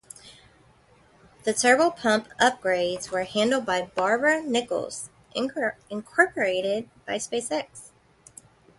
The turbopump upgrades were handled by Barber-Nichols, Incorporated for SpaceX.